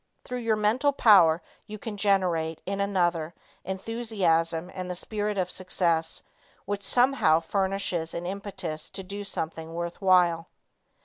Through your mental power you can generate in another enthusiasm and the spirit of success, which somehow furnishes an impetus to do something worth while.